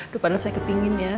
duh pada saya kepengen ya